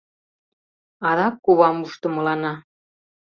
Адак кувам ушдымылана: